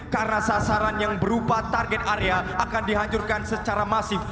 karena sasaran yang berupa target area akan dihancurkan secara masif